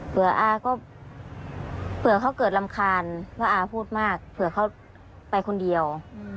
อาก็เผื่อเขาเกิดรำคาญเพราะอาพูดมากเผื่อเขาไปคนเดียว